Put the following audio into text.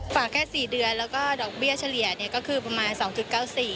แค่๔เดือนแล้วก็ดอกเบี้ยเฉลี่ยก็คือประมาณ๒๙๔บาท